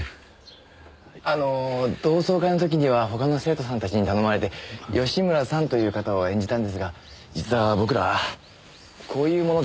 あの同窓会の時には他の生徒さんたちに頼まれて吉村さんという方を演じたんですが実は僕らこういう者でして。